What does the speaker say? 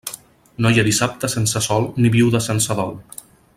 No hi ha dissabte sense sol ni viuda sense dol.